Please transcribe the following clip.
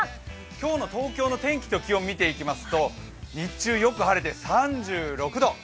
今日の東京の天気と気温見ていきますと日中よく晴れて３６度。